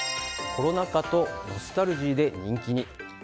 コロナ禍とノスタルジーで人気に。